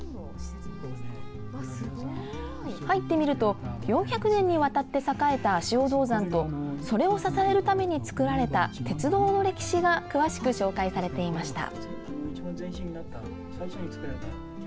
入ってみると４００年にわたって栄えた足尾銅山とそれを支えるために作られた鉄道の歴史が詳しく紹介されていました。